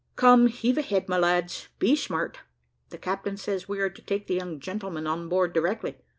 "Come, heave a head, my lads, be smart. The captain says we are to take the young gentleman on board directly.